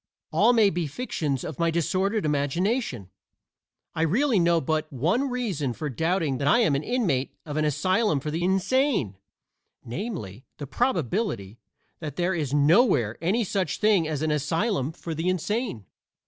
All may be fictions of my disordered imagination. I really know of but one reason for doubting that I am an inmate of an asylum for the insane namely, the probability that there is nowhere any such thing as an asylum for the insane.